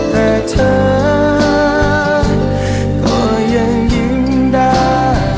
แต่เธอก็ยังยิ่งได้